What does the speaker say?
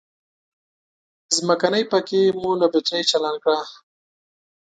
ځمکنی پکی مو له بترۍ چالان کړ.